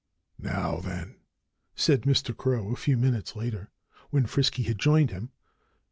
"Now, then!" said Mr. Crow a few minutes later, when Frisky had joined him.